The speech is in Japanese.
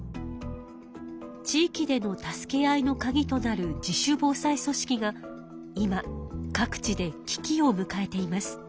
地域での助け合いのカギとなる自主防災組織が今各地でき機をむかえています。